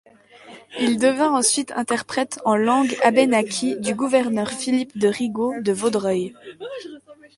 Il devint ensuite interprète en langue abénakis du gouverneur Philippe de Rigaud de Vaudreuil.